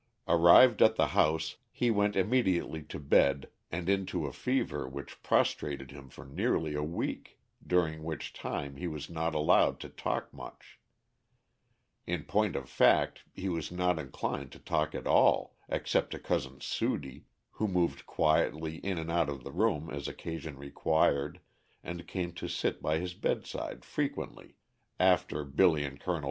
Arrived at the house he went immediately to bed and into a fever which prostrated him for nearly a week, during which time he was not allowed to talk much; in point of fact he was not inclined to talk at all, except to Cousin Sudie, who moved quietly in and out of the room as occasion required and came to sit by his bedside frequently, after Billy and Col.